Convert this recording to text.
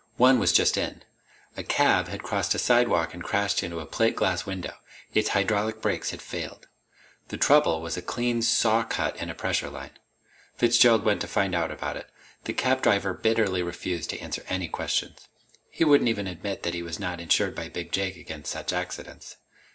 One was just in. A cab had crossed a sidewalk and crashed into a plate glass window. Its hydraulic brakes had failed. The trouble was a clean saw cut in a pressure line. Fitzgerald went to find out about it. The cab driver bitterly refused to answer any questions. He wouldn't even admit that he was not insured by Big Jake against such accidents.